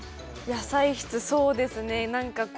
野菜室、そうですね。